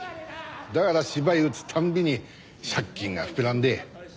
だから芝居打つたんびに借金が膨らんで。